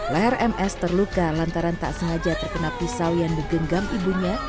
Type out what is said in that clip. leher ms terluka lantaran tak sengaja terkena pisau yang digenggam ibunya